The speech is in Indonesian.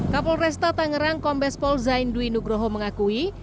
kapolresta tangerang kombes pol zain dwi nugroho mengakui